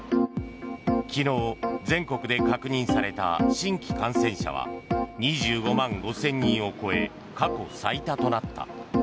昨日、全国で確認された新規感染者は２５万５０００人を超え過去最多となった。